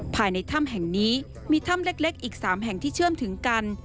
ภายในถ้ำแห่งนี้มีถ้ำเล็กอีก๓แห่งที่เชื่อมถึงกัน